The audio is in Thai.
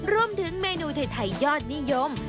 รวมถึงเมนูไทยยอดนิยม